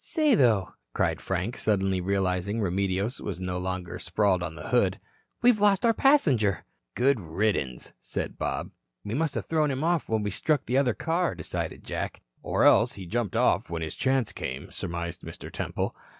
"Say, though," cried Frank, suddenly realizing Remedios no longer sprawled on the hood, "we've lost our passenger." "Good riddance," said Bob. "Must've thrown him off when we struck the other car," decided Jack. "Or else he jumped off when his chance came," surmised Mr. Temple.